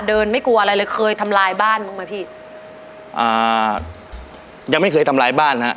ไม่กลัวอะไรเลยเคยทำลายบ้านบ้างไหมพี่อ่ายังไม่เคยทำร้ายบ้านฮะ